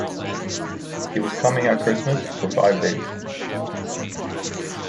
He was coming at Christmas for five days.